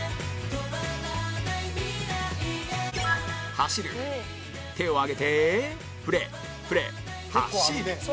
走る手を上げてフレーフレー走る